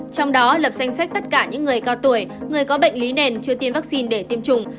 trong đó lập danh sách tất cả những người cao tuổi người có bệnh lý nền chưa tiêm vaccine để tiêm chủng